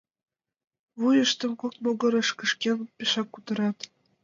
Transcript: Вуйыштым кок могырыш кышкен, пешак кутырат: